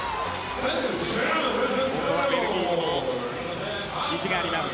ここはベルギーにも意地があります。